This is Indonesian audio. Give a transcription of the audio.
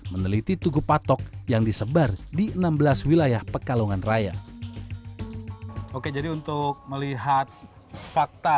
meneliti tugu patok yang disebar di enam belas wilayah pekalongan raya oke jadi untuk melihat fakta